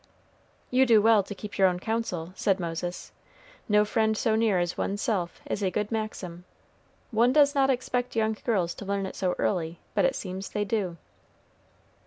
"You do well to keep your own counsel," said Moses. "No friend so near as one's self, is a good maxim. One does not expect young girls to learn it so early, but it seems they do."